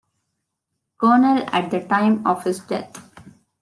Colonel at the time of his death.